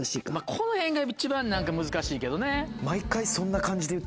この辺が一番何か難しいけどね。